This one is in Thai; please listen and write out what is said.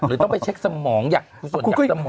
หรือต้องไปเช็คสมองอย่างส่วนอย่างสมอง